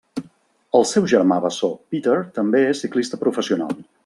El seu germà bessó Peter també és ciclista professional.